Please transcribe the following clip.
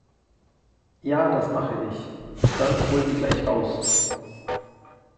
Ja, das mache ich. Dann hol sie gleich raus.